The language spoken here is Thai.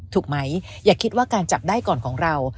ถูกไหมอย่าคิดว่าการจับได้ก่อนของเรา